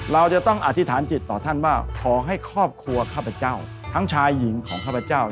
เราจะต้องอธิษฐานจิตต่อท่านว่าขอให้ครอบครัวข้าพเจ้าทั้งชายหญิงของข้าพเจ้า